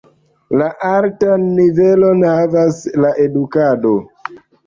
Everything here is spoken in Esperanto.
La altan nivelon havis la edukado.